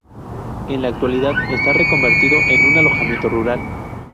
En la actualidad está reconvertido en un alojamiento rural.